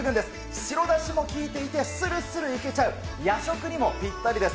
白だしも効いていて、するするいけちゃう、夜食にもぴったりです。